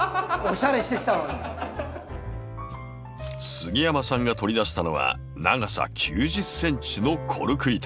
杉山さんが取り出したのは長さ９０ｃｍのコルク板。